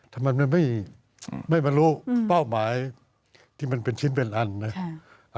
ทำไมไม่มารู้เป้าหมายที่มันเป็นชิ้นเป็นอันนะ